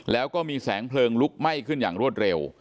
แล้วก็มีแสงเพลิงลุกไหม้ขึ้นอย่างรวดเร็ว